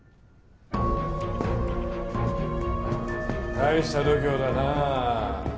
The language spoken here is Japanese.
大した度胸だなあ。